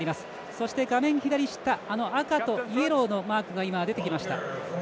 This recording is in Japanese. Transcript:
そして画面左下赤とイエローのマークが今、出てきました。